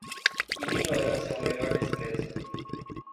Ignorância é o melhor desprezo.